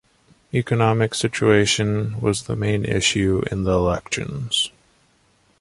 Economic situation was the main issue in the elections.